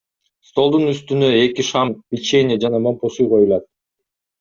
Столдун үстүнө эки шам, печенье жана момпосуй коюлат.